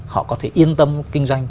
họ có thể yên tâm kinh doanh